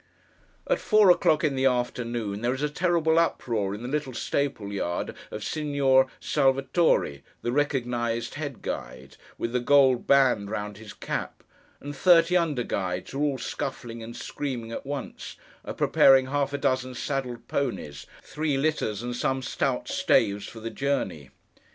At four o'clock in the afternoon, there is a terrible uproar in the little stable yard of Signior Salvatore, the recognised head guide, with the gold band round his cap; and thirty under guides who are all scuffling and screaming at once, are preparing half a dozen saddled ponies, three litters, and some stout staves, for the journey.